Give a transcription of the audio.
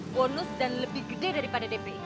bonus dan lebih gede daripada dpi